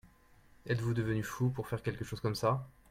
Êtes-vous devenu fou pour faire quelque chose comme ça ?